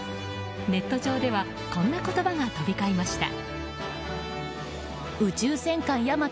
ネット上ではこんな言葉が飛び交いました。